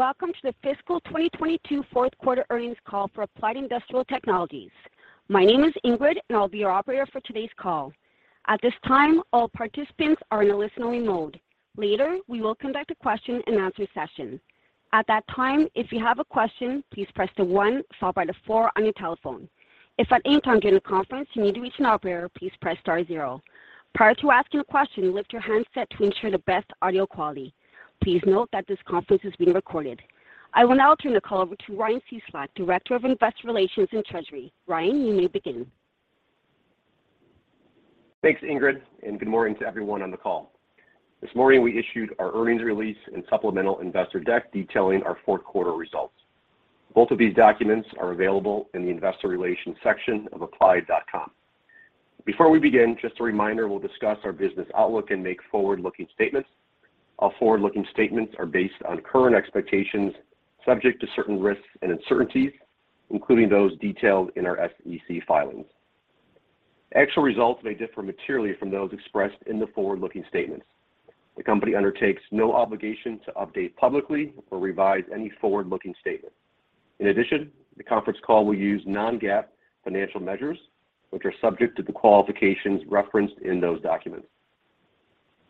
Welcome to the fiscal 2022 fourth quarter earnings call for Applied Industrial Technologies. My name is Ingrid, and I'll be your operator for today's call. At this time, all participants are in a listening mode. Later, we will conduct a question-and-answer session. At that time, if you have a question, please press the one followed by the four on your telephone. If at any time during the conference you need to reach an operator, please press star zero. Prior to asking a question, lift your handset to ensure the best audio quality. Please note that this conference is being recorded. I will now turn the call over to Ryan Cieslak, Director of Investor Relations and Treasury. Ryan, you may begin. Thanks, Ingrid, and good morning to everyone on the call. This morning, we issued our earnings release and supplemental investor deck detailing our fourth quarter results. Both of these documents are available in the Investor Relations section of applied.com. Before we begin, just a reminder, we'll discuss our business outlook and make forward-looking statements. Our forward-looking statements are based on current expectations subject to certain risks and uncertainties, including those detailed in our SEC filings. Actual results may differ materially from those expressed in the forward-looking statements. The company undertakes no obligation to update publicly or revise any forward-looking statements. In addition, the conference call will use non-GAAP financial measures, which are subject to the qualifications referenced in those documents.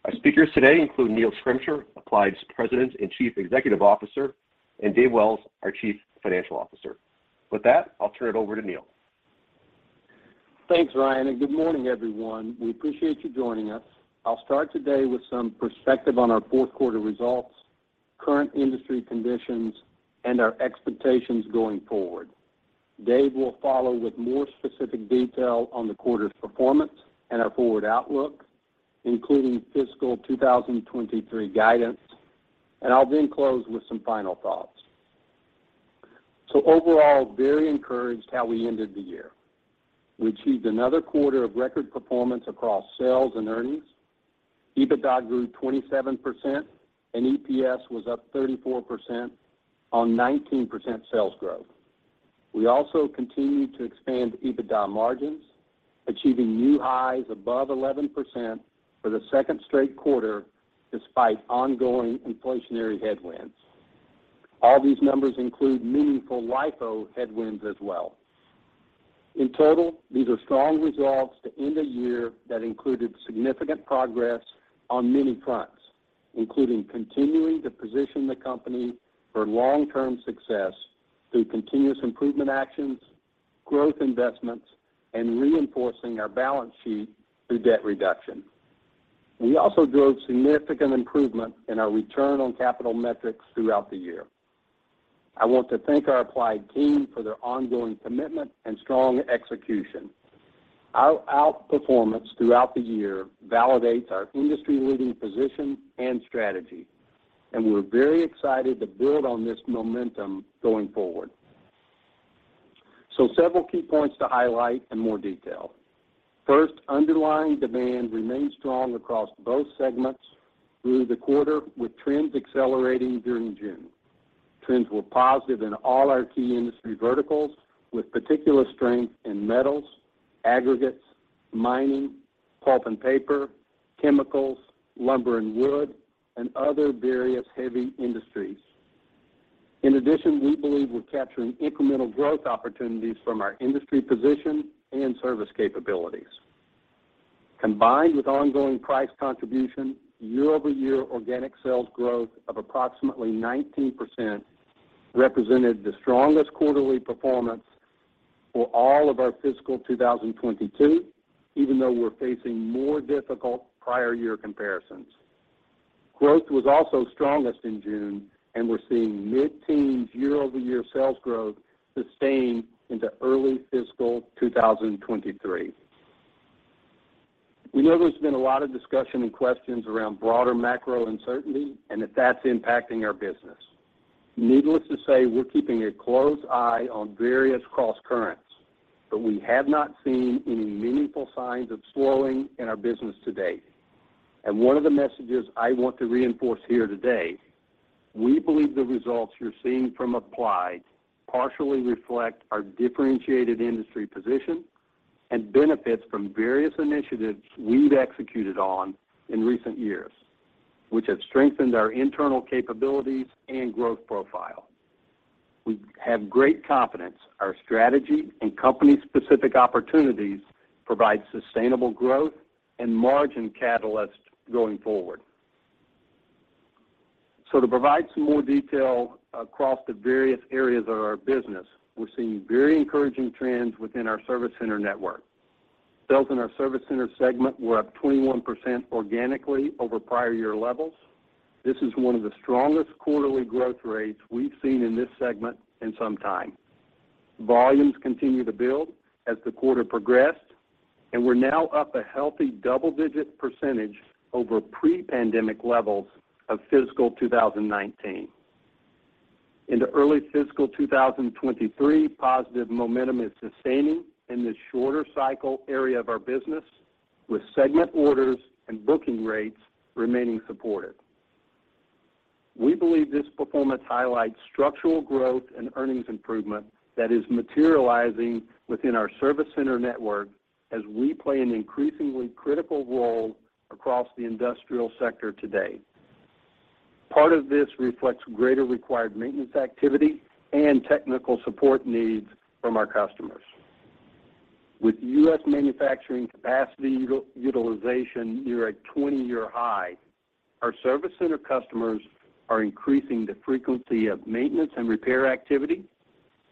Our speakers today include Neil Schrimsher, Applied's President and Chief Executive Officer, and Dave Wells, our Chief Financial Officer. With that, I'll turn it over to Neil. Thanks, Ryan, and good morning, everyone. We appreciate you joining us. I'll start today with some perspective on our fourth quarter results, current industry conditions, and our expectations going forward. Dave will follow with more specific detail on the quarter's performance and our forward outlook, including fiscal 2023 guidance. I'll then close with some final thoughts. Overall, very encouraged how we ended the year. We achieved another quarter of record performance across sales and earnings. EBITDA grew 27% and EPS was up 34% on 19% sales growth. We also continued to expand EBITDA margins, achieving new highs above 11% for the second straight quarter despite ongoing inflationary headwinds. All these numbers include meaningful LIFO headwinds as well. In total, these are strong results to end a year that included significant progress on many fronts, including continuing to position the company for long-term success through continuous improvement actions, growth investments, and reinforcing our balance sheet through debt reduction. We also drove significant improvement in our return on capital metrics throughout the year. I want to thank our Applied team for their ongoing commitment and strong execution. Our outperformance throughout the year validates our industry-leading position and strategy, and we're very excited to build on this momentum going forward. Several key points to highlight in more detail. First, underlying demand remained strong across both segments through the quarter with trends accelerating during June. Trends were positive in all our key industry verticals, with particular strength in metals, aggregates, mining, pulp and paper, chemicals, lumber and wood, and other various heavy industries. In addition, we believe we're capturing incremental growth opportunities from our industry position and service capabilities. Combined with ongoing price contribution, year-over-year organic sales growth of approximately 19% represented the strongest quarterly performance for all of our fiscal 2022, even though we're facing more difficult prior year comparisons. Growth was also strongest in June, and we're seeing mid-teens year-over-year sales growth sustained into early fiscal 2023. We know there's been a lot of discussion and questions around broader macro uncertainty and if that's impacting our business. Needless to say, we're keeping a close eye on various crosscurrents, but we have not seen any meaningful signs of slowing in our business to date. One of the messages I want to reinforce here today, we believe the results you're seeing from Applied partially reflect our differentiated industry position and benefits from various initiatives we've executed on in recent years, which have strengthened our internal capabilities and growth profile. We have great confidence our strategy and company-specific opportunities provide sustainable growth and margin catalysts going forward. To provide some more detail across the various areas of our business, we're seeing very encouraging trends within our service center network. Sales in our service center segment were up 21% organically over prior year levels. This is one of the strongest quarterly growth rates we've seen in this segment in some time. Volumes continued to build as the quarter progressed, and we're now up a healthy double-digit percentage over pre-pandemic levels of fiscal 2019. In the early fiscal 2023, positive momentum is sustaining in this shorter cycle area of our business, with segment orders and booking rates remaining supported. We believe this performance highlights structural growth and earnings improvement that is materializing within our service center network. As we play an increasingly critical role across the industrial sector today. Part of this reflects greater required maintenance activity and technical support needs from our customers. With U.S. manufacturing capacity utilization near a 20-year high, our service center customers are increasing the frequency of maintenance and repair activity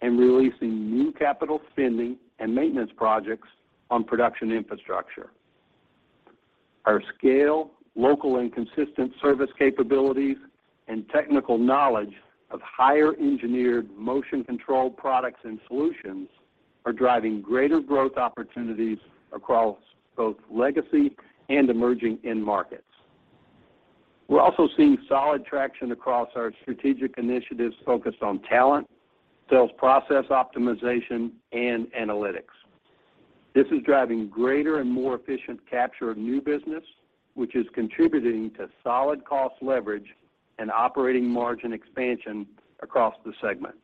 and releasing new capital spending and maintenance projects on production infrastructure. Our scale, local and consistent service capabilities, and technical knowledge of higher engineered motion control products and solutions are driving greater growth opportunities across both legacy and emerging end markets. We're also seeing solid traction across our strategic initiatives focused on talent, sales process optimization, and analytics. This is driving greater and more efficient capture of new business, which is contributing to solid cost leverage and operating margin expansion across the segment.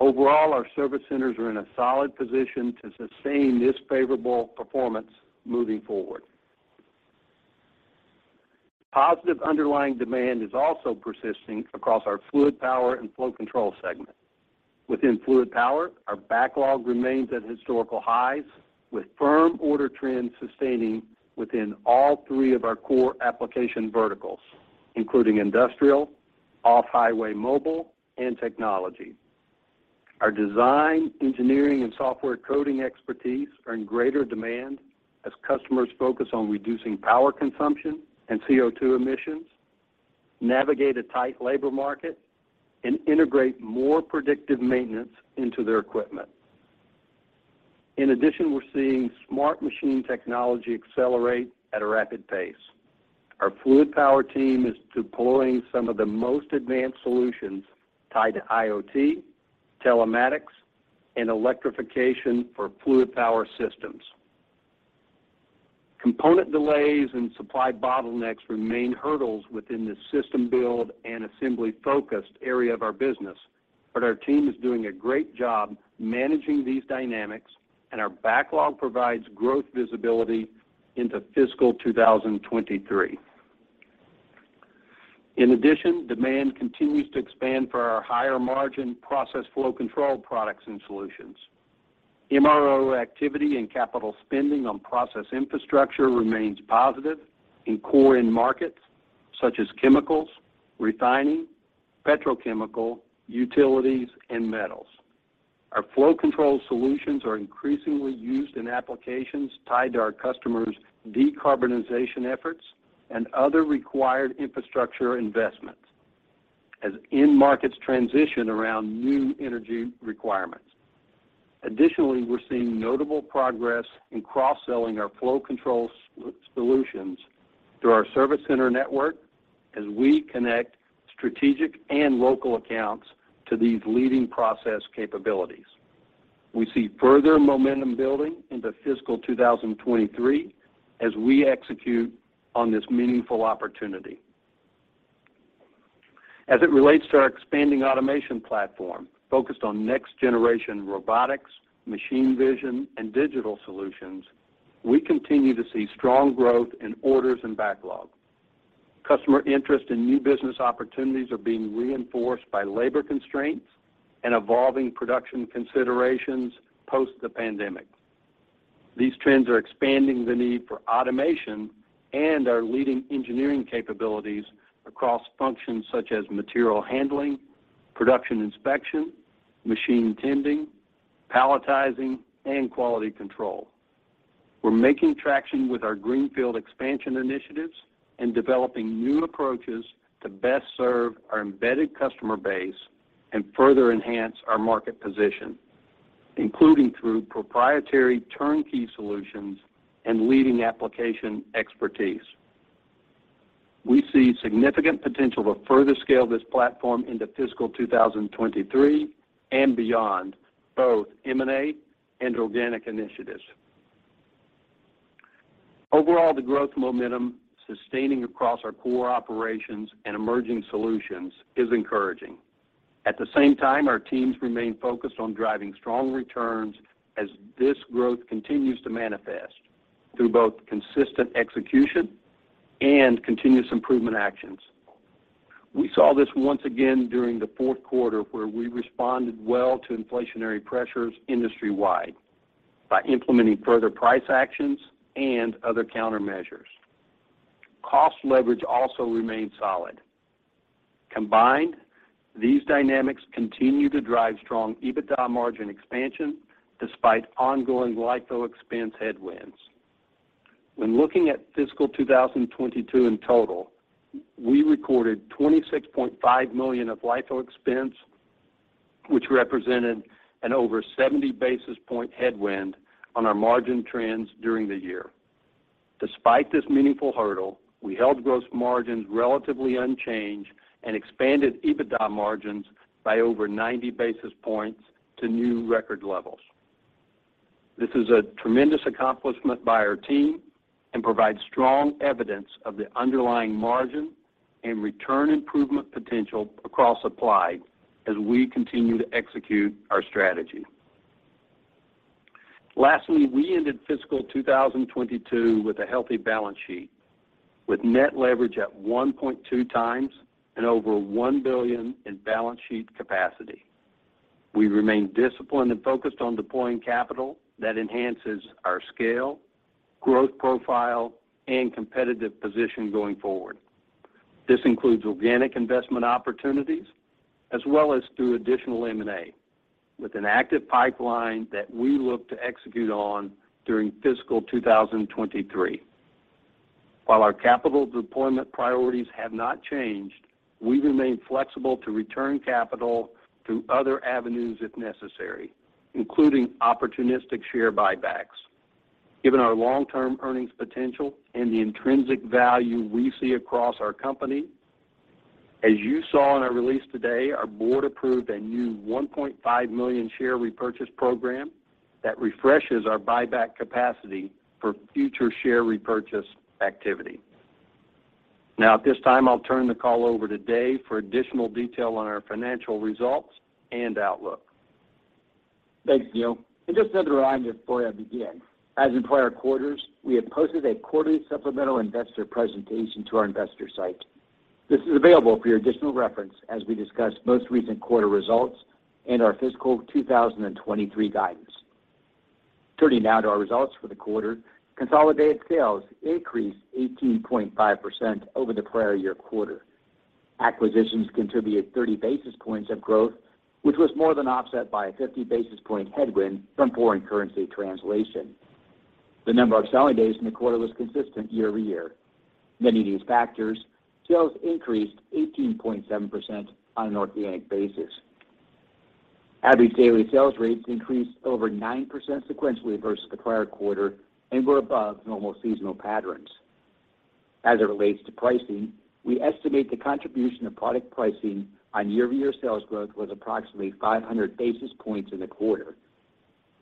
Overall, our service centers are in a solid position to sustain this favorable performance moving forward. Positive underlying demand is also persisting across our fluid power and flow control segment. Within fluid power, our backlog remains at historical highs with firm order trends sustaining within all three of our core application verticals, including industrial, off-highway mobile, and technology. Our design, engineering, and software coding expertise are in greater demand as customers focus on reducing power consumption and CO2 emissions, navigate a tight labor market, and integrate more predictive maintenance into their equipment. In addition, we're seeing smart machine technology accelerate at a rapid pace. Our fluid power team is deploying some of the most advanced solutions tied to IoT, telematics, and electrification for fluid power systems. Component delays and supply bottlenecks remain hurdles within the system build and assembly-focused area of our business, but our team is doing a great job managing these dynamics, and our backlog provides growth visibility into fiscal 2023. In addition, demand continues to expand for our higher margin process flow control products and solutions. MRO activity and capital spending on process infrastructure remains positive in core end markets such as chemicals, refining, petrochemical, utilities, and metals. Our flow control solutions are increasingly used in applications tied to our customers' decarbonization efforts and other required infrastructure investments as end markets transition around new energy requirements. We're seeing notable progress in cross-selling our flow control solutions through our service center network as we connect strategic and local accounts to these leading process capabilities. We see further momentum building into fiscal 2023 as we execute on this meaningful opportunity. As it relates to our expanding automation platform focused on next-generation robotics, machine vision, and digital solutions, we continue to see strong growth in orders and backlog. Customer interest in new business opportunities are being reinforced by labor constraints and evolving production considerations post the pandemic. These trends are expanding the need for automation and our leading engineering capabilities across functions such as material handling, production inspection, machine tending, palletizing, and quality control. We're making traction with our greenfield expansion initiatives and developing new approaches to best serve our embedded customer base and further enhance our market position, including through proprietary turnkey solutions and leading application expertise. We see significant potential to further scale this platform into fiscal 2023 and beyond, both M&A and organic initiatives. Overall, the growth momentum sustaining across our core operations and emerging solutions is encouraging. At the same time, our teams remain focused on driving strong returns as this growth continues to manifest through both consistent execution and continuous improvement actions. We saw this once again during the fourth quarter where we responded well to inflationary pressures industry-wide by implementing further price actions and other countermeasures. Cost leverage also remained solid. Combined, these dynamics continue to drive strong EBITDA margin expansion despite ongoing LIFO expense headwinds. When looking at fiscal 2022 in total, we recorded $26.5 million of LIFO expense, which represented an over 70 basis point headwind on our margin trends during the year. Despite this meaningful hurdle, we held gross margins relatively unchanged and expanded EBITDA margins by over 90 basis points to new record levels. This is a tremendous accomplishment by our team and provides strong evidence of the underlying margin and return improvement potential across supply as we continue to execute our strategy. Lastly, we ended fiscal 2022 with a healthy balance sheet, with net leverage at 1.2 times and over $1 billion in balance sheet capacity. We remain disciplined and focused on deploying capital that enhances our scale, growth profile, and competitive position going forward. This includes organic investment opportunities as well as through additional M&A, with an active pipeline that we look to execute on during fiscal 2023. While our capital deployment priorities have not changed, we remain flexible to return capital through other avenues if necessary, including opportunistic share buybacks. Given our long-term earnings potential and the intrinsic value we see across our company, as you saw in our release today, our board approved a new 1.5 million share repurchase program that refreshes our buyback capacity for future share repurchase activity. Now at this time, I'll turn the call over to Dave for additional detail on our financial results and outlook. Thanks, Neil. Just another reminder before I begin, as in prior quarters, we have posted a quarterly supplemental investor presentation to our investor site. This is available for your additional reference as we discuss most recent quarter results and our fiscal 2023 guidance. Turning now to our results for the quarter. Consolidated sales increased 18.5% over the prior year quarter. Acquisitions contributed 30 basis points of growth, which was more than offset by a 50 basis point headwind from foreign currency translation. The number of selling days in the quarter was consistent year-over-year. Netting these factors, sales increased 18.7% on an organic basis. Average daily sales rates increased over 9% sequentially versus the prior quarter and were above normal seasonal patterns. As it relates to pricing, we estimate the contribution of product pricing on year-over-year sales growth was approximately 500 basis points in the quarter.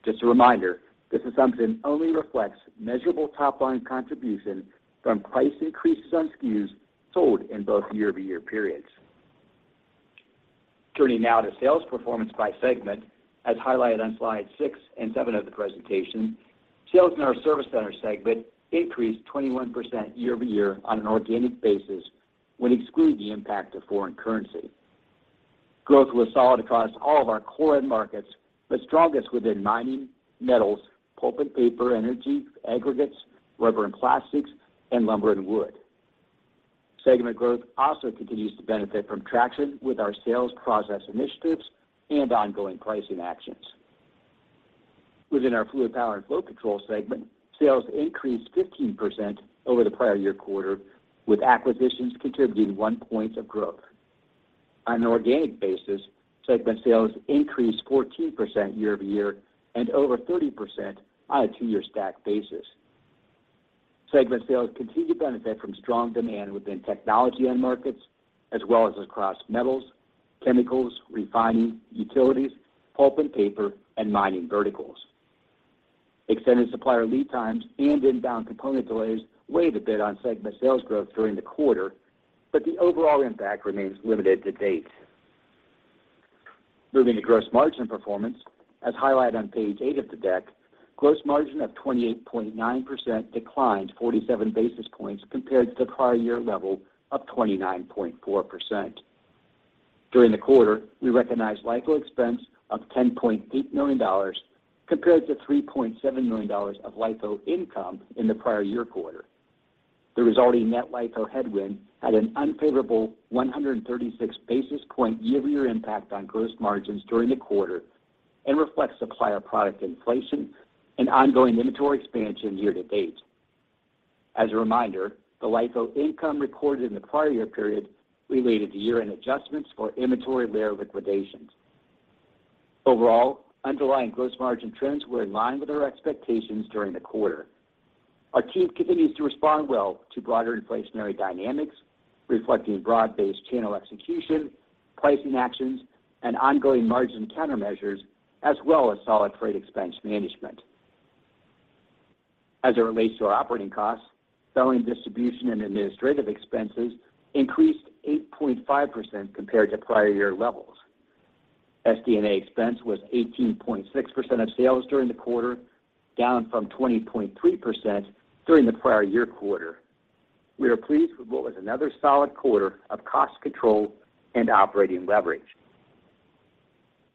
Just a reminder, this assumption only reflects measurable top line contribution from price increases on SKUs sold in both year-over-year periods. Turning now to sales performance by segment. As highlighted on slide 6 and 7 of the presentation, sales in our service center segment increased 21% year-over-year on an organic basis when excluding the impact of foreign currency. Growth was solid across all of our core end markets, but strongest within mining, metals, pulp and paper, energy, aggregates, rubber and plastics, and lumber and wood. Segment growth also continues to benefit from traction with our sales process initiatives and ongoing pricing actions. Within our fluid power and flow control segment, sales increased 15% over the prior year quarter, with acquisitions contributing 1 point of growth. On an organic basis, segment sales increased 14% year-over-year and over 30% on a 2-year stack basis. Segment sales continue to benefit from strong demand within technology end markets as well as across metals, chemicals, refining, utilities, pulp and paper, and mining verticals. Extended supplier lead times and inbound component delays weighed a bit on segment sales growth during the quarter, but the overall impact remains limited to date. Moving to gross margin performance. As highlighted on page eight of the deck, gross margin of 28.9% declined 47 basis points compared to the prior year level of 29.4%. During the quarter, we recognized LIFO expense of $10.8 million compared to $3.7 million of LIFO income in the prior year quarter. The resulting net LIFO headwind had an unfavorable 136 basis points year-over-year impact on gross margins during the quarter and reflects supplier product inflation and ongoing inventory expansion year to date. As a reminder, the LIFO income recorded in the prior year period related to year-end adjustments for inventory layer liquidations. Overall, underlying gross margin trends were in line with our expectations during the quarter. Our team continues to respond well to broader inflationary dynamics, reflecting broad-based channel execution, pricing actions, and ongoing margin countermeasures, as well as solid freight expense management. As it relates to our operating costs, selling, distribution, and administrative expenses increased 8.5% compared to prior year levels. SD&A expense was 18.6% of sales during the quarter, down from 20.3% during the prior year quarter. We are pleased with what was another solid quarter of cost control and operating leverage.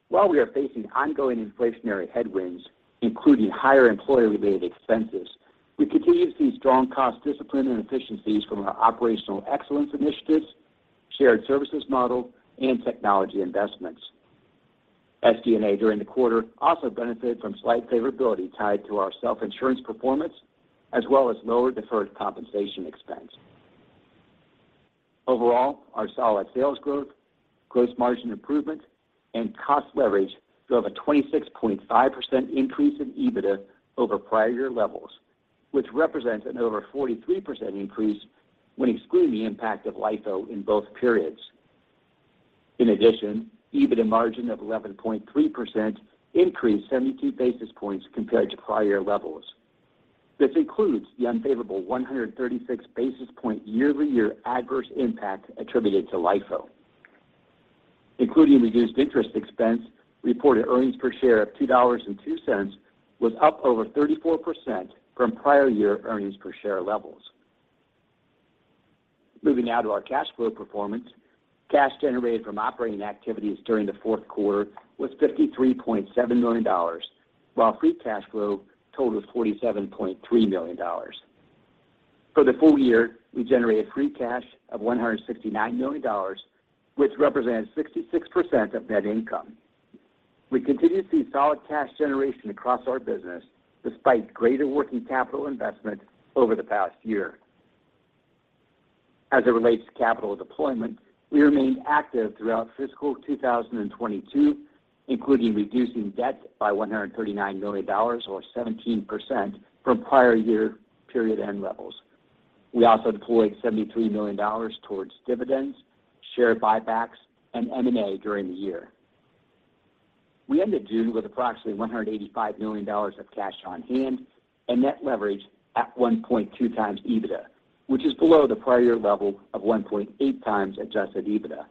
While we are facing ongoing inflationary headwinds, including higher employee-related expenses, we continue to see strong cost discipline and efficiencies from our operational excellence initiatives, shared services model, and technology investments. SD&A during the quarter also benefited from slight favorability tied to our self-insurance performance as well as lower deferred compensation expense. Overall, our solid sales growth, gross margin improvement, and cost leverage drove a 26.5% increase in EBITDA over prior year levels, which represents an over 43% increase when excluding the impact of LIFO in both periods. In addition, EBITDA margin of 11.3% increased 72 basis points compared to prior levels. This includes the unfavorable 136 basis point year-over-year adverse impact attributed to LIFO. Including reduced interest expense, reported earnings per share of $2.02 was up over 34% from prior year earnings per share levels. Moving now to our cash flow performance. Cash generated from operating activities during the fourth quarter was $53.7 million, while free cash flow total was $47.3 million. For the full year, we generated free cash of $169 million, which represents 66% of net income. We continue to see solid cash generation across our business despite greater working capital investment over the past year. As it relates to capital deployment, we remained active throughout fiscal 2022, including reducing debt by $139 million or 17% from prior year period end levels. We also deployed $73 million towards dividends, share buybacks, and M&A during the year. We ended June with approximately $185 million of cash on hand and net leverage at 1.2 times EBITDA, which is below the prior level of 1.8 times adjusted EBITDA.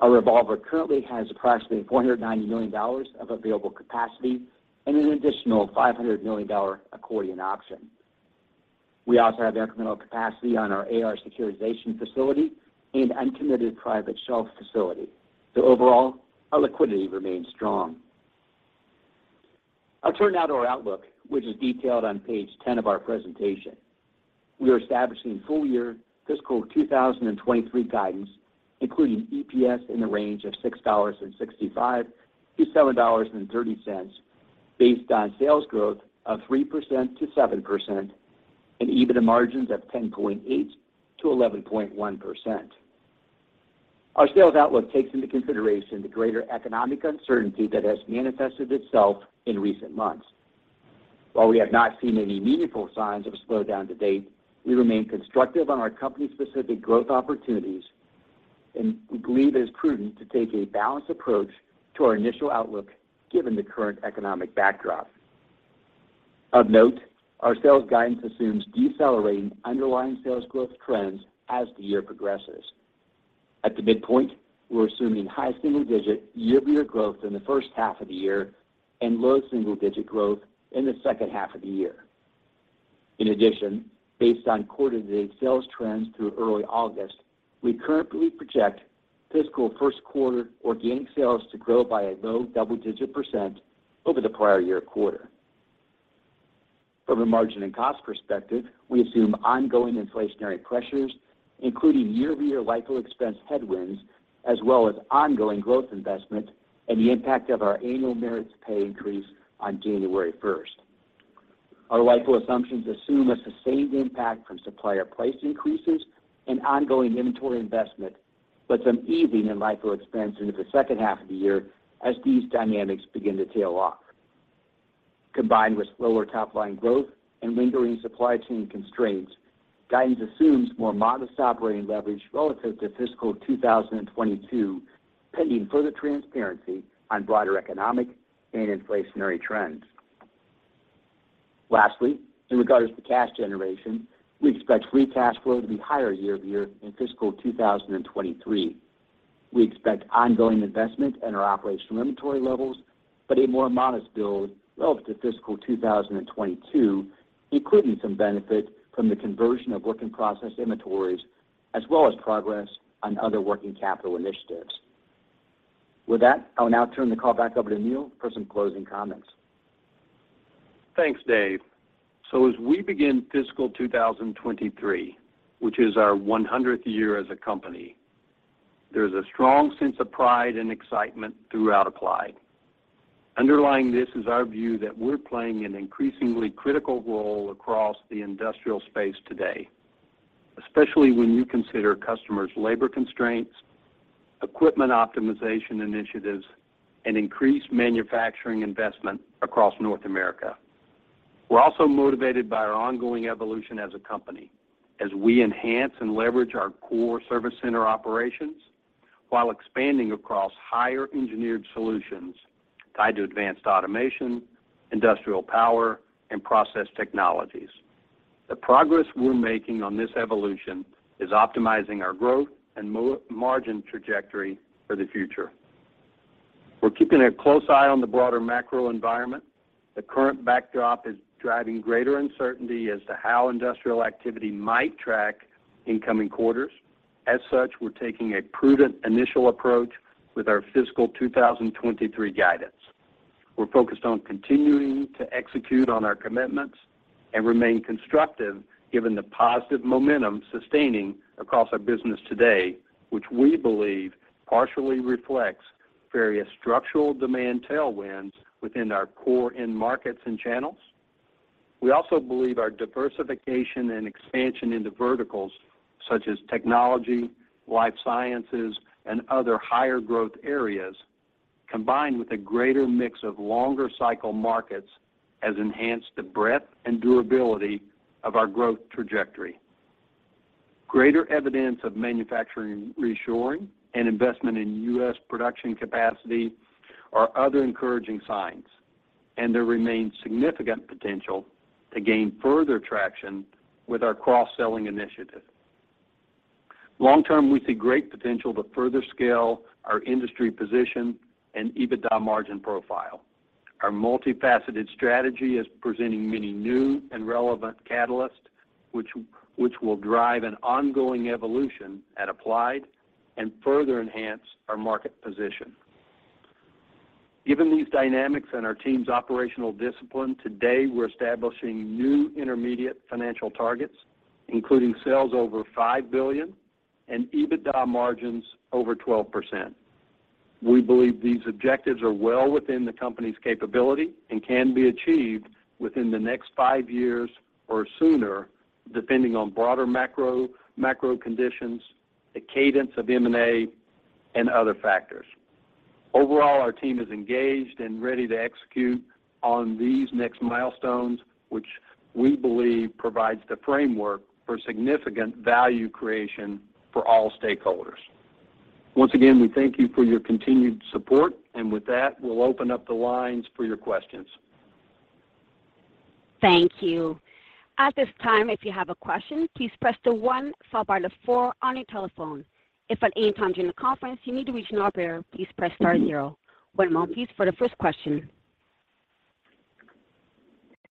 Our revolver currently has approximately $490 million of available capacity and an additional $500 million accordion option. We also have incremental capacity on our AR Securitization Facility and uncommitted private shelf facility. Overall, our liquidity remains strong. I'll turn now to our outlook, which is detailed on page 10 of our presentation. We are establishing full year fiscal 2023 guidance, including EPS in the range of $6.65-$7.30 based on sales growth of 3%-7% and EBITDA margins of 10.8%-11.1%. Our sales outlook takes into consideration the greater economic uncertainty that has manifested itself in recent months. While we have not seen any meaningful signs of a slowdown to date, we remain constructive on our company's specific growth opportunities, and we believe it is prudent to take a balanced approach to our initial outlook given the current economic backdrop. Of note, our sales guidance assumes decelerating underlying sales growth trends as the year progresses. At the midpoint, we're assuming high single-digit year-over-year growth in the first half of the year and low single-digit growth in the second half of the year. In addition, based on quarter-to-date sales trends through early August, we currently project fiscal first quarter organic sales to grow by a low double-digit % over the prior year quarter. From a margin and cost perspective, we assume ongoing inflationary pressures, including year-over-year LIFO expense headwinds, as well as ongoing growth investment and the impact of our annual merits pay increase on January first. Our LIFO assumptions assume a sustained impact from supplier price increases and ongoing inventory investment, but some easing in LIFO expense into the second half of the year as these dynamics begin to tail off. Combined with slower top line growth and lingering supply chain constraints, guidance assumes more modest operating leverage relative to fiscal 2022, pending further transparency on broader economic and inflationary trends. Lastly, in regards to cash generation, we expect free cash flow to be higher year-over-year in fiscal 2023. We expect ongoing investment in our operational inventory levels, but a more modest build relative to fiscal 2022, including some benefit from the conversion of work in process inventories, as well as progress on other working capital initiatives. With that, I'll now turn the call back over to Neil for some closing comments. Thanks, Dave. As we begin fiscal 2023, which is our 100th year as a company, there's a strong sense of pride and excitement throughout Applied. Underlying this is our view that we're playing an increasingly critical role across the industrial space today, especially when you consider customers' labor constraints, equipment optimization initiatives, and increased manufacturing investment across North America. We're also motivated by our ongoing evolution as a company as we enhance and leverage our core service center operations while expanding across higher engineered solutions tied to advanced automation, industrial power, and process technologies. The progress we're making on this evolution is optimizing our growth and margin trajectory for the future. We're keeping a close eye on the broader macro environment. The current backdrop is driving greater uncertainty as to how industrial activity might track in coming quarters. As such, we're taking a prudent initial approach with our fiscal 2023 guidance. We're focused on continuing to execute on our commitments and remain constructive given the positive momentum sustaining across our business today, which we believe partially reflects various structural demand tailwinds within our core end markets and channels. We also believe our diversification and expansion into verticals such as technology, life sciences, and other higher growth areas combined with a greater mix of longer cycle markets has enhanced the breadth and durability of our growth trajectory. Greater evidence of manufacturing reshoring and investment in U.S. production capacity are other encouraging signs, and there remains significant potential to gain further traction with our cross-selling initiative. Long term, we see great potential to further scale our industry position and EBITDA margin profile. Our multifaceted strategy is presenting many new and relevant catalysts, which will drive an ongoing evolution at Applied and further enhance our market position. Given these dynamics and our team's operational discipline, today we're establishing new intermediate financial targets, including sales over $5 billion and EBITDA margins over 12%. We believe these objectives are well within the company's capability and can be achieved within the next 5 years or sooner, depending on broader macro conditions, the cadence of M&A, and other factors. Overall, our team is engaged and ready to execute on these next milestones, which we believe provides the framework for significant value creation for all stakeholders. Once again, we thank you for your continued support. With that, we'll open up the lines for your questions. Thank you. At this time, if you have a question, please press the one followed by the four on your telephone. If at any time during the conference you need to reach an operator, please press star zero. One moment please for the first question.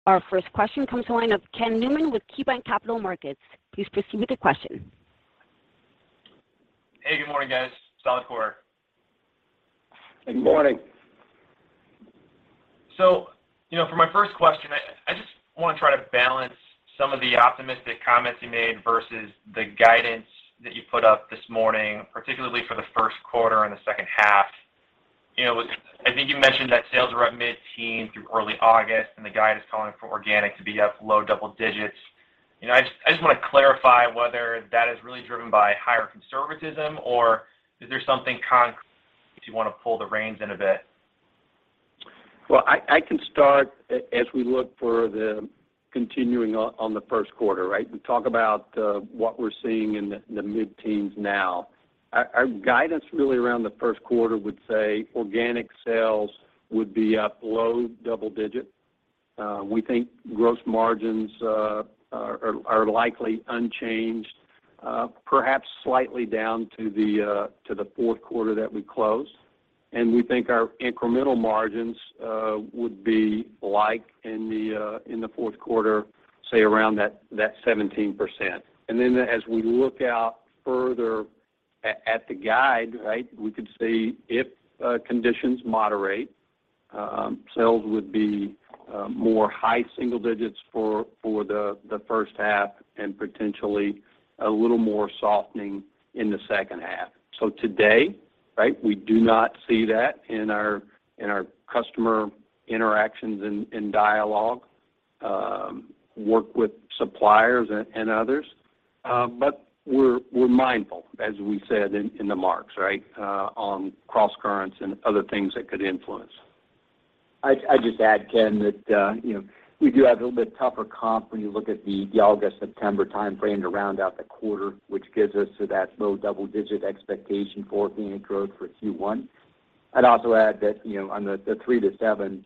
Our first question comes from the line of Ken Newman with KeyBanc Capital Markets. Please proceed with your question. Hey, good morning, guys. Solid quarter. Good morning. You know, for my first question, I just wanna try to balance some of the optimistic comments you made versus the guidance that you put up this morning, particularly for the first quarter and the second half. You know, I think you mentioned that sales are up mid-teens through early August, and the guide is calling for organic to be up low double digits. You know, I just wanna clarify whether that is really driven by higher conservatism or is there something concrete, if you wanna pull the reins in a bit? Well, I can start as we look forward to the first quarter, right? We talk about what we're seeing in the mid-teens now. Our guidance really around the first quarter would say organic sales would be up low double digit. We think gross margins are likely unchanged, perhaps slightly down to the fourth quarter that we closed. We think our incremental margins would be like in the fourth quarter, say around that 17%. Then as we look out further at the guide, right, we could say if conditions moderate, sales would be more high single digits for the first half and potentially a little more softening in the second half. Today, right, we do not see that in our customer interactions and dialogue, work with suppliers and others. We're mindful, as we said in the remarks, right, on crosscurrents and other things that could influence. I'd just add, Ken, that you know, we do have a little bit tougher comp when you look at the August-September timeframe to round out the quarter, which gives us to that low double-digit expectation for organic growth for Q1. I'd also add that you know, on the three to seven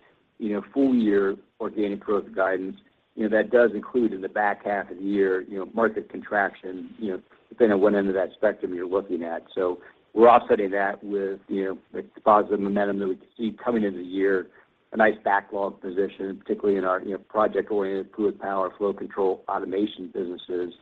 full year organic growth guidance you know, that does include in the back half of the year you know, market contraction you know, depending on what end of that spectrum you're looking at. We're offsetting that with you know, the positive momentum that we see coming into the year, a nice backlog position, particularly in our you know, project-oriented fluid power, flow control, automation businesses.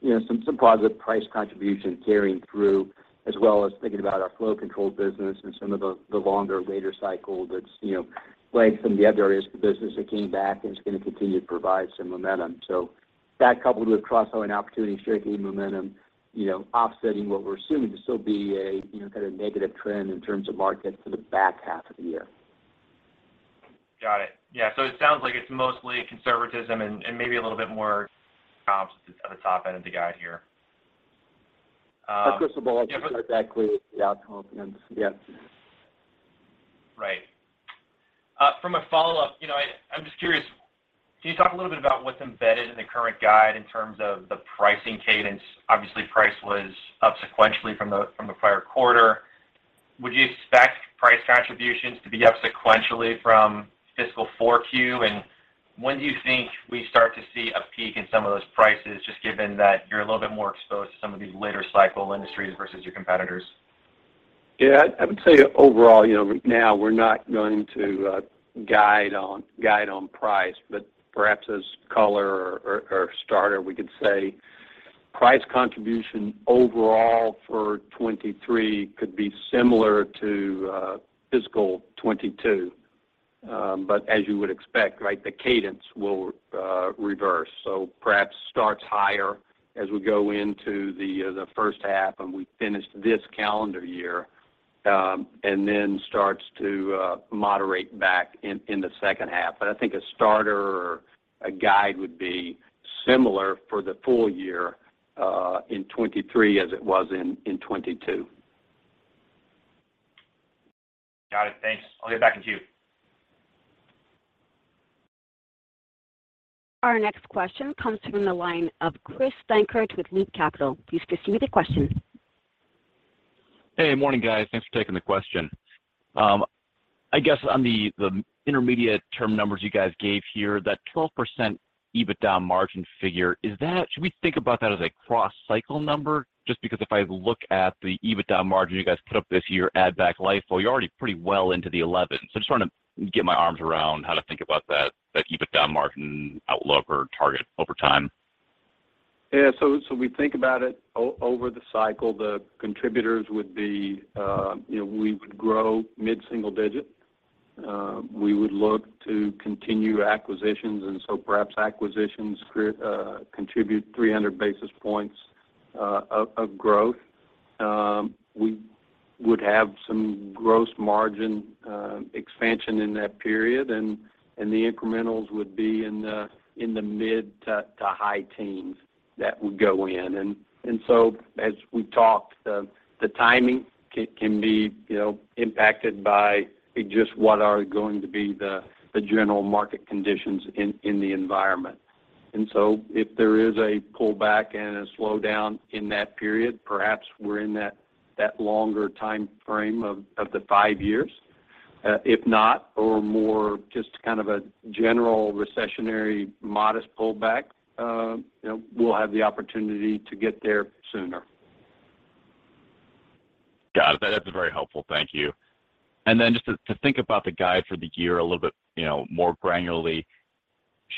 You know, some positive price contribution carrying through, as well as thinking about our flow control business and some of the longer later cycle that's, you know, like some of the other areas of the business that came back and is gonna continue to provide some momentum. That coupled with cross-selling opportunities, share gaining momentum, you know, offsetting what we're assuming to still be a, you know, kind of negative trend in terms of markets for the back half of the year. Got it. Yeah. It sounds like it's mostly conservatism and maybe a little bit more comps at the top end of the guide here. First of all, exactly the outcome, yeah. Right. From a follow-up, you know, I'm just curious, can you talk a little bit about what's embedded in the current guide in terms of the pricing cadence? Obviously, price was up sequentially from the prior quarter. Would you expect price contributions to be up sequentially from fiscal four Q? And when do you think we start to see a peak in some of those prices, just given that you're a little bit more exposed to some of these later cycle industries versus your competitors? Yeah. I would tell you overall, you know, now we're not going to guide on price, but perhaps as color or starter, we could say price contribution overall for 2023 could be similar to fiscal 2022. As you would expect, right, the cadence will reverse. Perhaps starts higher as we go into the first half, and we finish this calendar year, and then starts to moderate back in the second half. I think a starter or A guide would be similar for the full year in 2023 as it was in 2022. Got it. Thanks. I'll get back in queue. Our next question comes from the line of Christopher Glynn with Oppenheimer & Co. Inc. Please proceed with your question. Hey, morning guys. Thanks for taking the question. I guess on the intermediate term numbers you guys gave here, that 12% EBITDA margin figure, is that? Should we think about that as a cross-cycle number? Just because if I look at the EBITDA margin you guys put up this year, add back LIFO, you're already pretty well into the elevens. Just trying to get my arms around how to think about that EBITDA margin outlook or target over time. Yeah. We think about it over the cycle, the contributors would be, you know, we would grow mid-single-digit%. We would look to continue acquisitions, and so perhaps acquisitions contribute 300 basis points of growth. We would have some gross margin expansion in that period, and the incrementals would be in the mid- to high teens% that would go in. As we talked, the timing can be, you know, impacted by just what are going to be the general market conditions in the environment. If there is a pullback and a slowdown in that period, perhaps we're in that longer timeframe of the five years. If not or more just kind of a general recessionary modest pullback, you know, we'll have the opportunity to get there sooner. Got it. That is very helpful. Thank you. Just to think about the guide for the year a little bit, you know, more granularly,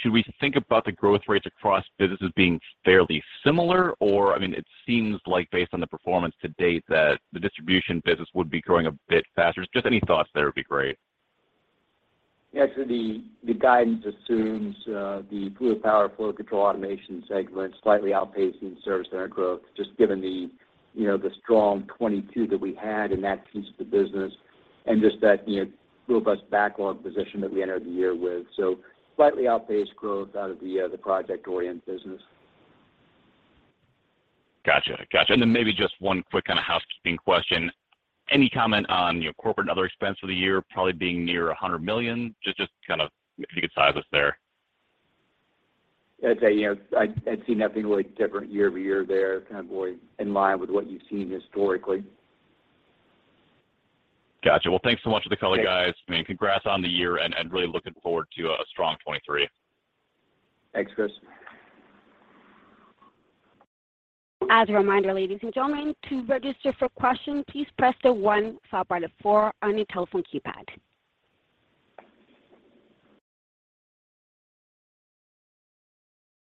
should we think about the growth rates across businesses being fairly similar, or, I mean, it seems like based on the performance to date, that the distribution business would be growing a bit faster. Just any thoughts there would be great. The guidance assumes the Fluid Power Flow Control Automation segment slightly outpacing Service Center growth, just given the strong 2022 that we had in that piece of the business and just that robust backlog position that we entered the year with. Slightly outpaced growth out of the project-oriented business. Gotcha. Maybe just one quick kind of housekeeping question. Any comment on, you know, corporate and other expense for the year probably being near $100 million? Just kind of if you could size us there. I'd say, you know, I'd see nothing really different year-over-year there, kind of going in line with what you've seen historically. Gotcha. Well, thanks so much for the color, guys. Thanks. I mean, congrats on the year and really looking forward to a strong 2023. Thanks, Chris. As a reminder, ladies and gentlemen, to register for questions, please press the one followed by the four on your telephone keypad.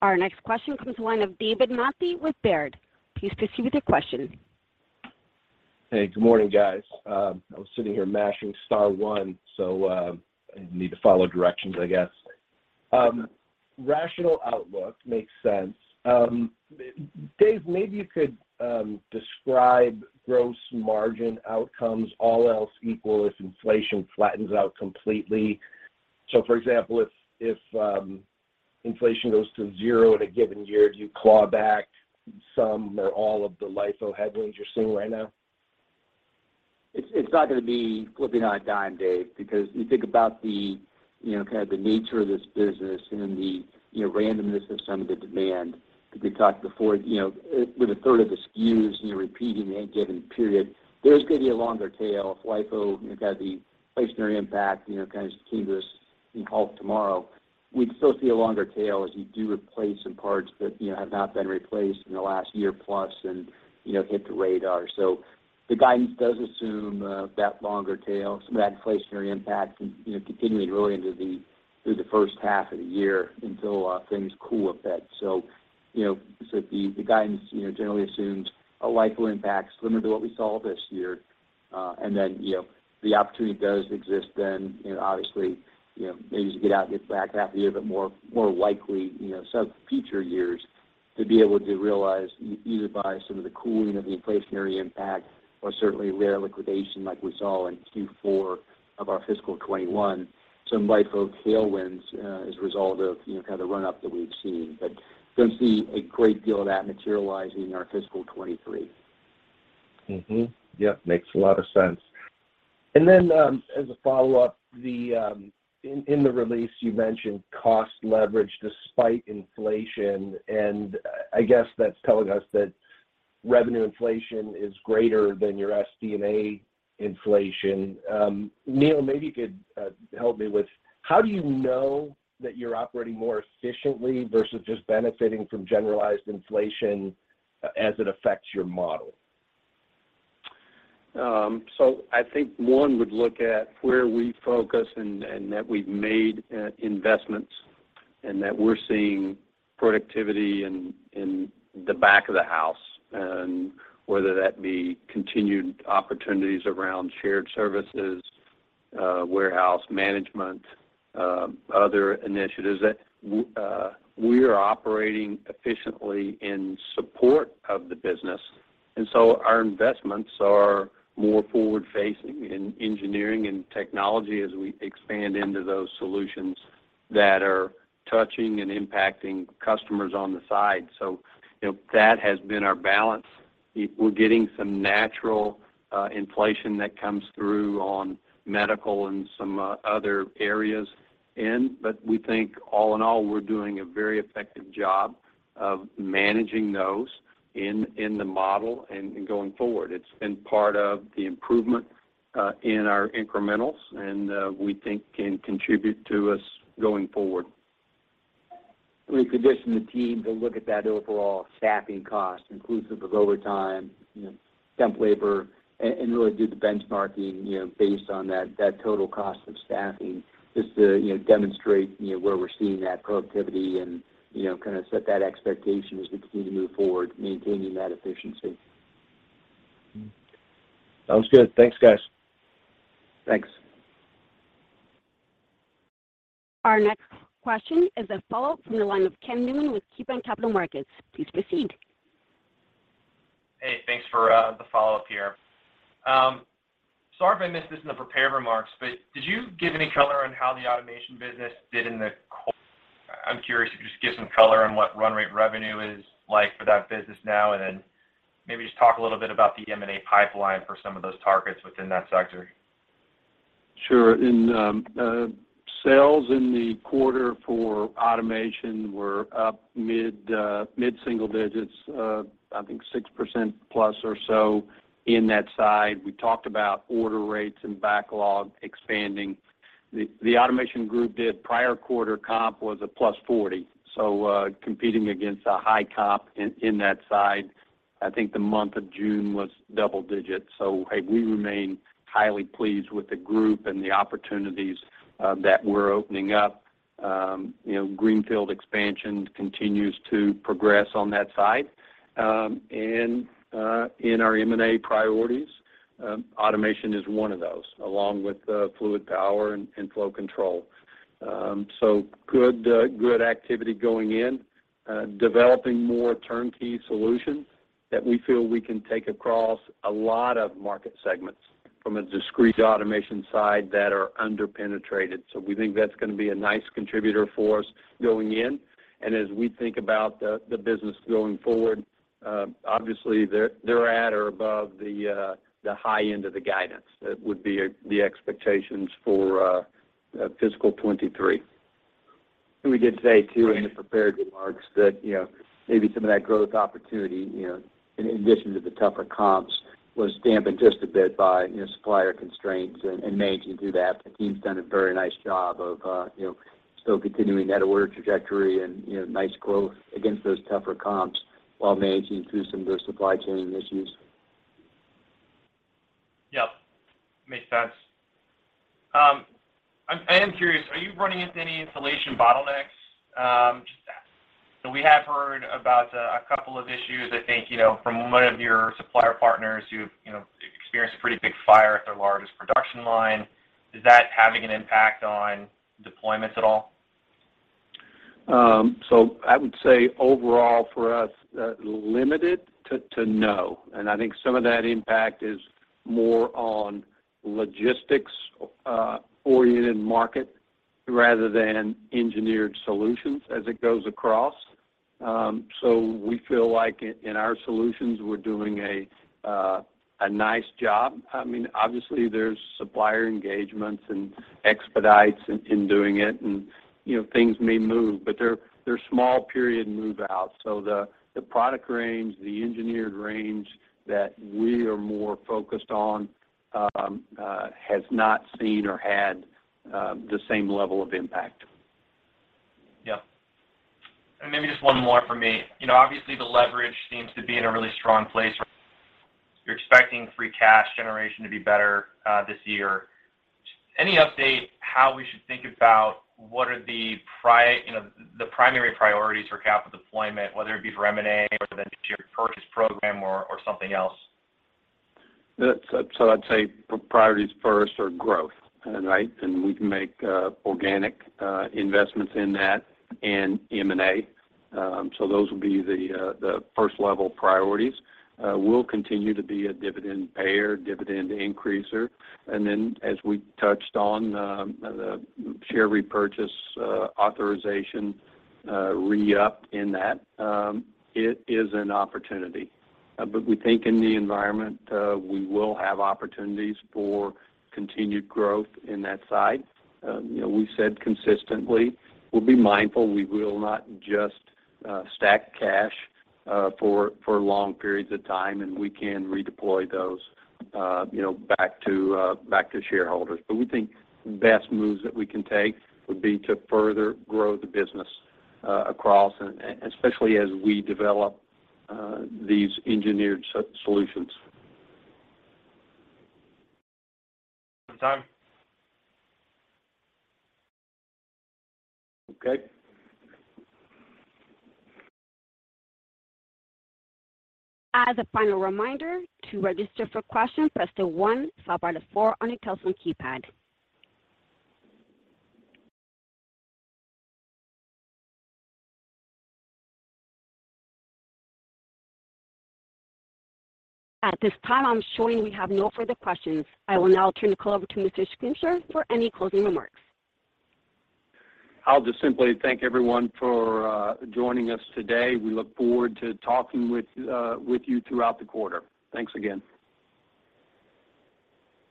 Our next question comes from the line of David Manthey with Baird. Please proceed with your question. Hey, good morning, guys. I was sitting here mashing star one, so I need to follow directions, I guess. Rational outlook makes sense. Dave, maybe you could describe gross margin outcomes, all else equal if inflation flattens out completely. For example, if inflation goes to zero in a given year, do you claw back some or all of the LIFO headwinds you're seeing right now? It's not gonna be flipping on a dime, Dave, because you think about the, you know, kind of the nature of this business and the, you know, randomness of some of the demand. As we talked before, you know, with a third of the SKUs, you know, repeating any given period, there is gonna be a longer tail if LIFO, you know, kind of the inflationary impact, you know, kind of came to a halt tomorrow. We'd still see a longer tail as you do replace some parts that, you know, have not been replaced in the last year plus and, you know, hit the radar. The guidance does assume that longer tail, some of that inflationary impact and, you know, continuing really into, through the first half of the year until things cool a bit. The guidance generally assumes a LIFO impact similar to what we saw this year. The opportunity does exist, obviously, maybe to get out and get back half the year, but more likely in future years to be able to realize either by some of the cooling of the inflationary impact or certainly rare liquidation like we saw in Q4 of our fiscal 2021, some LIFO tailwinds as a result of the run-up that we've seen. Don't see a great deal of that materializing in our fiscal 2023. Yep, makes a lot of sense. As a follow-up, in the release, you mentioned cost leverage despite inflation, and I guess that's telling us that revenue inflation is greater than your SG&A inflation. Neil, maybe you could help me with how do you know that you're operating more efficiently versus just benefiting from generalized inflation as it affects your model? I think one would look at where we focus and that we've made investments and that we're seeing productivity in the back of the house, and whether that be continued opportunities around shared services, warehouse management, other initiatives that we are operating efficiently in support of the business. Our investments are more forward-facing in engineering and technology as we expand into those solutions that are touching and impacting customers on the side. You know, that has been our balance. We're getting some natural inflation that comes through on medical and some other areas, but we think all in all, we're doing a very effective job of managing those in the model and going forward. It's been part of the improvement in our incrementals, and we think can contribute to us going forward. We've conditioned the team to look at that overall staffing cost inclusive of overtime, you know, temp labor, and really do the benchmarking, you know, based on that total cost of staffing just to, you know, demonstrate, you know, where we're seeing that productivity and, you know, kind of set that expectation as we continue to move forward maintaining that efficiency. Sounds good. Thanks, guys. Thanks. Our next question is a follow-up from the line of Ken Newman with KeyBanc Capital Markets. Please proceed. Hey, thanks for the follow-up here. Sorry if I missed this in the prepared remarks, but did you give any color on how the automation business did in the quarter? I'm curious if you could just give some color on what run rate revenue is like for that business now and then maybe just talk a little bit about the M&A pipeline for some of those targets within that sector. Sure. In sales in the quarter for automation were up mid-single digits, I think 6% plus or so in that side. We talked about order rates and backlog expanding. The automation group's prior quarter comp was +40%, so competing against a high comp in that side. I think the month of June was double digits. We remain highly pleased with the group and the opportunities that we're opening up. You know, greenfield expansion continues to progress on that side. In our M&A priorities, automation is one of those, along with fluid power and flow control. Good activity going in developing more turnkey solutions that we feel we can take across a lot of market segments from a discrete automation side that are under-penetrated. We think that's gonna be a nice contributor for us going in. As we think about the business going forward, obviously they're at or above the high end of the guidance. That would be the expectations for fiscal 2023. We did say too in the prepared remarks that, you know, maybe some of that growth opportunity, you know, in addition to the tougher comps, was dampened just a bit by, you know, supplier constraints and managing through that. The team's done a very nice job of, you know, still continuing that order trajectory and, you know, nice growth against those tougher comps while managing through some of those supply chain issues. Yep. Makes sense. I am curious, are you running into any installation bottlenecks? Just asking. We have heard about a couple of issues, I think, you know, from one of your supplier partners who've, you know, experienced a pretty big fire at their largest production line. Is that having an impact on deployments at all? I would say overall for us, limited to no. I think some of that impact is more on logistics oriented market rather than engineered solutions as it goes across. We feel like in our solutions, we're doing a nice job. I mean, obviously there's supplier engagements and expedites in doing it, and, you know, things may move, but they're small period move outs. The product range, the engineered range that we are more focused on has not seen or had the same level of impact. Yeah. Maybe just one more from me. You know, obviously the leverage seems to be in a really strong place. You're expecting free cash generation to be better, this year. Any update how we should think about what are the primary priorities for capital deployment, whether it be for M&A or the share repurchase program or something else? I'd say priorities first are growth, right? We can make organic investments in that and M&A. Those will be the first level priorities. We'll continue to be a dividend payer, dividend increaser. Then as we touched on, the share repurchase authorization re-up in that, it is an opportunity. We think in the environment we will have opportunities for continued growth in that side. You know, we've said consistently, we'll be mindful. We will not just stack cash for long periods of time, and we can redeploy those, you know, back to shareholders. We think best moves that we can take would be to further grow the business across, especially as we develop these engineered solutions. time. Okay. As a final reminder, to register for question, press the one followed by the four on your telephone keypad. At this time, I'm showing we have no further questions. I will now turn the call over to Mr. Schrimsher for any closing remarks. I'll just simply thank everyone for joining us today. We look forward to talking with you throughout the quarter. Thanks again.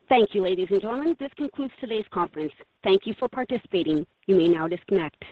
Thank you, ladies and gentlemen. This concludes today's conference. Thank you for participating. You may now disconnect.